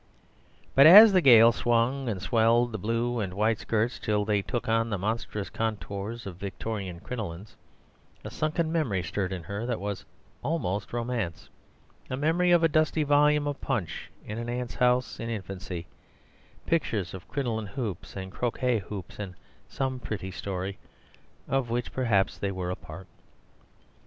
But as the gale swung and swelled the blue and white skirts till they took on the monstrous contours of Victorian crinolines, a sunken memory stirred in her that was almost romance—a memory of a dusty volume of Punch in an aunt's house in infancy: pictures of crinoline hoops and croquet hoops and some pretty story, of which perhaps they were a part.